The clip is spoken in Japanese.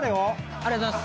ありがとうございます。